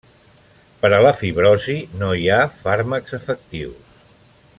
Per a la fibrosi no hi ha fàrmacs efectius.